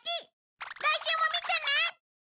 来週も見てね！